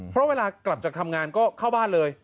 เพราะเวลากลับจากทำงานก็เข้าบ้านเลย